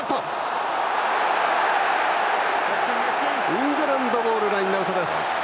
イングランドボールのラインアウト。